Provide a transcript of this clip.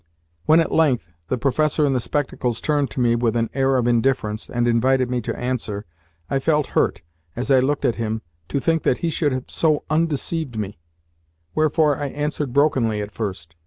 When at length the professor in the spectacles turned to me with an air of indifference, and invited me to answer, I felt hurt, as I looked at him, to think that he should have so undeceived me: wherefore I answered brokenly at first.